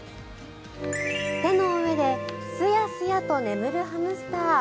手の上でスヤスヤと眠るハムスター。